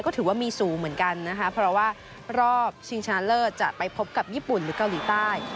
ก็ถือว่ามีสูงเหมือนกันนะคะเพราะว่ารอบชิงชนะเลิศจะไปพบกับญี่ปุ่นหรือเกาหลีใต้